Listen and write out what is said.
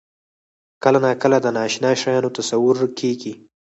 کله ناکله د نااشنا شیانو تصور کېږي.